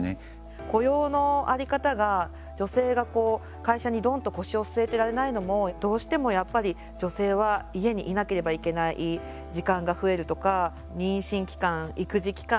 雇用の在り方が女性が会社にどんと腰を据えてられないのもどうしても、やっぱり女性は家にいなければいけない時間が増えるとか、妊娠期間、育児期間